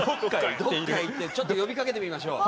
ちょっと呼びかけてみましょう。